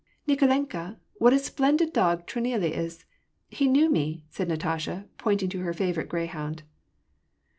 '^ Kikolenka, what a splendid dog Trunila is ! He knew me ! said Natasha, pointing to her favorite greyhound.